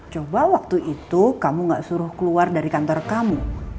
coba waktu itu kamu gak suruh keluar dari kantor kamu